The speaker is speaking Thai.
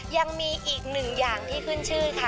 ยังมีอีกหนึ่งอย่างที่ขึ้นชื่อค่ะ